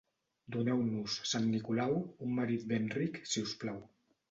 Doneu-nos, sant Nicolau, un marit ben ric, si us plau.